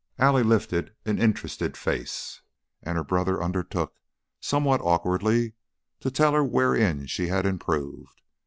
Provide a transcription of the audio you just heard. Allie lifted an interested face, and her brother undertook, somewhat awkwardly, to tell her wherein she had improved.